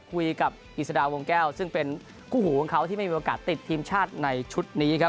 คุยกับอิสดาวงแก้วซึ่งเป็นคู่หูของเขาที่ไม่มีโอกาสติดทีมชาติในชุดนี้ครับ